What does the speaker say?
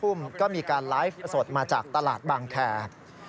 ว่ามีการไลฟ์สดมาจากตลาดบางแขก